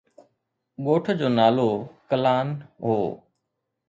ڳوٺ جو نالو ڪلان هو.